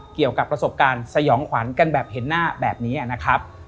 เกี่ยวกับประสบการณ์สยองขวัญกันแบบเห็นหน้าแบบนี้นะครับ